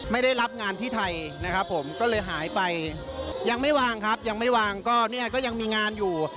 ไม่ได้รับงานที่ไทยนะครับผมก็เลยหายไปยังไม่วางครับยังไม่วางก็เนี่ยก็ยังมีงานอยู่